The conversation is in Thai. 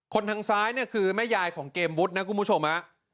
ทางซ้ายเนี่ยคือแม่ยายของเกมวุฒินะคุณผู้ชม